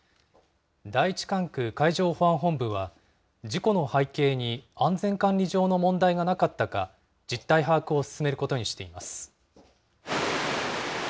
第１管区海上保安本部は事故の背景に安全管理上の問題がなかったか、実態把握を進めることにしています。